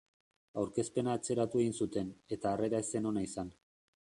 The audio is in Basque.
Aurkezpena atzeratu egin zuten, eta harrera ez zen ona izan.